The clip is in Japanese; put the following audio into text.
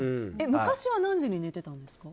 昔は何時に寝てたんですか。